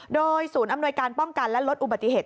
โดยศูนย์อำนวยการป้องกันและลดอุบัติเหตุ